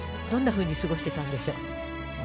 どんなふうに過ごしていたんでしょう？